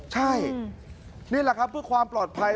ใช่นี่แหละครับเพื่อความปลอดภัย